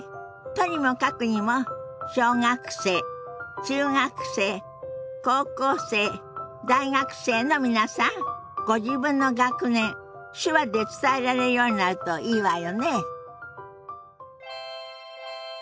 とにもかくにも小学生中学生高校生大学生の皆さんご自分の学年手話で伝えられるようになるといいわよね。